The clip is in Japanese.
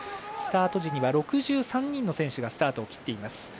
スタート時には６３人の選手がスタートを切っています。